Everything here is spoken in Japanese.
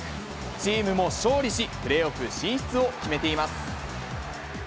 チームも勝利し、プレーオフ進出を決めています。